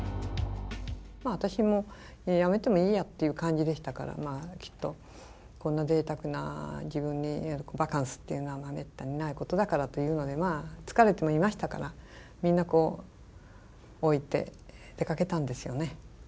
私もやめてもいいやっていう感じでしたからきっとこんなぜいたくな自分にいわゆるバカンスっていうのはめったにないことだからというので疲れてもいましたからみんなこう言って出かけたんですよね。